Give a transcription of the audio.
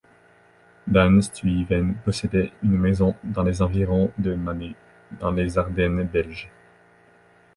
Daan Stuyven possédait une maison dans les environs de Manhay, dans les Ardennes belges.